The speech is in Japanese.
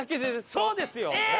そうですよ。